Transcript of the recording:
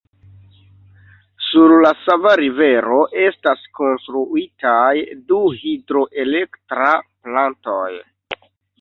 Sur la Sava Rivero estas konstruitaj du hidroelektra plantoj.